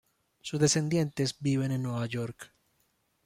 Sus descendientes viven en Nueva York.